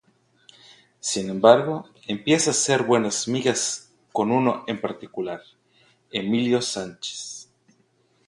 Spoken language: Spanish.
Sin embargo, empieza a hacer buenas migas con uno en particular, Emilio Sánchez.